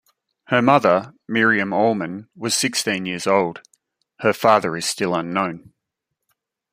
Her mother, Miriam Aulman, was sixteen years old; her father is still unknown.